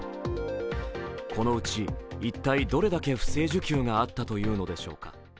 このうち、一体どれだけ不正受給があったというのでしょうか。